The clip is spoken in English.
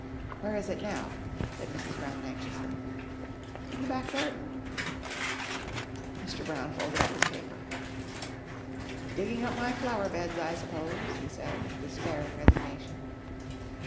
"Where is it now?" said Mrs. Brown anxiously. "In the back garden." Mr. Brown folded up his paper. "Digging up my flower beds, I suppose," he said with despairing resignation.